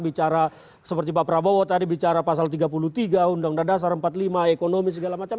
bicara seperti pak prabowo tadi bicara pasal tiga puluh tiga undang undang dasar empat puluh lima ekonomi segala macam